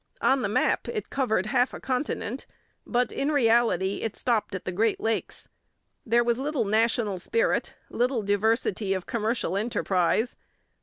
On the map it covered half a continent, but in reality it stopped at the Great Lakes. There was little national spirit, little diversity of commercial enterprise.